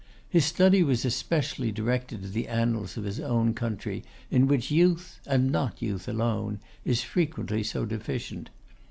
His study was especially directed to the annals of his own country, in which youth, and not youth alone, is frequently so deficient.